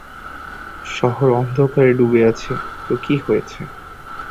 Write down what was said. শহর অন্ধকারে ডুবে আছে তো কী হয়েছে?